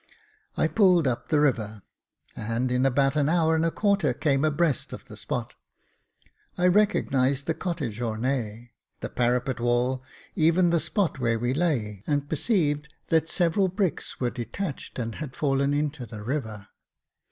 I pulled up the river, and, in about an hour and a quarter, came abreast of the spot. I recognised the cottage ornee, the parapet wall, even the spot where we lay, and perceived that several bricks were detached and had fallen into the river.